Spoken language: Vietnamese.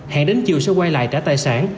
hẹn đến chiều sẽ quay lại trả tài sản